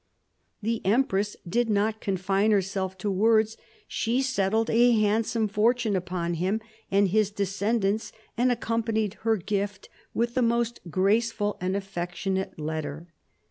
The empress did not confine herself to words. She settled a handsome fortune upon him and his descend ants, and accompanied her gift with the most graceful and affectionate letter.